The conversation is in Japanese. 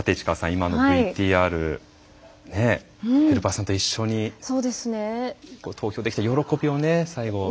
今のＶＴＲヘルパーさんと一緒に投票できて喜びをね最後。